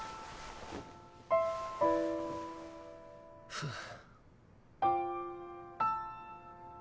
ふぅ。